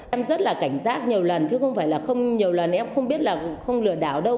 em rất là cảnh giác nhiều lần chứ không phải là không nhiều lần em không biết là không lừa đảo đâu